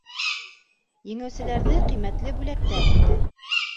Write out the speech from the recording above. Еңеүселәрҙе ҡиммәтле бүләктәр көтә.